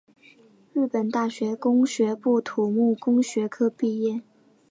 日本大学工学部土木工学科毕业。